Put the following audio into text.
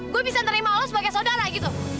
gue bisa terima lo sebagai saudara gitu